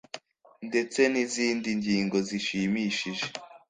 ndetse n'izindi ngingo zishimishije